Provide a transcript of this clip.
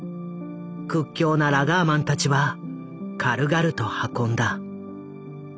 屈強なラガーマンたちは軽々と運んだ。